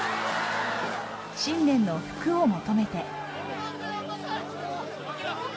新年の福を求めて。